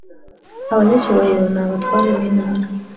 abanyacyubahiro ni abatware b’intara